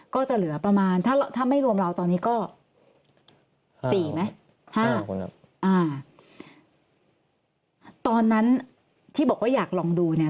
ก็จะเหลือประมาณถ้าไม่รวมเราตอนนี้ก็